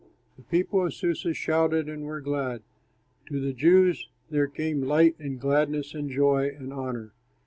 The people of Susa shouted and were glad. To the Jews there came light and gladness and joy and honor.